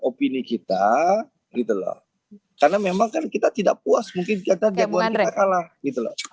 opini kita gitu loh karena memang kan kita tidak puas mungkin kita jagoan kita kalah gitu loh